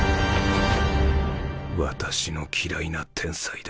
私の嫌いな天才だ。